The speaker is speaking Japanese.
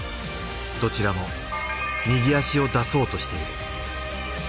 どちらも右足を出そうとしている。